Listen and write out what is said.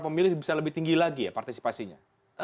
pemilih bisa lebih tinggi lagi ya partisipasinya